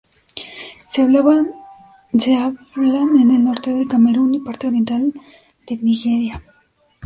Se hablan en el norte de Camerún y parte oriental de Nigeria.